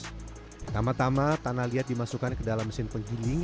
pertama tama tanah liat dimasukkan ke dalam mesin penggiling